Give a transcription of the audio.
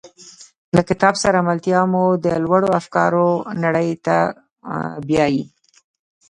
له کتاب سره ملتیا مو د لوړو افکارو نړۍ ته بیایي.